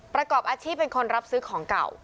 ประกอบอาชีพเป็นคนรับซื้อของเก่า